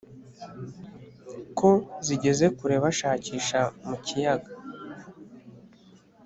ko zigeze kure bashakisha mu kiyaga